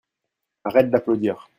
arrête d'applaudir.